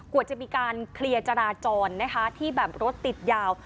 กว่าจะมีการเคลียร์จราจรนะคะที่แบบรถติดยาว